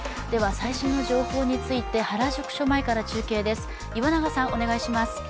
最新の情報について原宿署前から中継です。